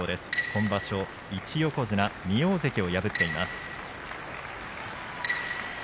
今場所、１横綱２大関を破っています。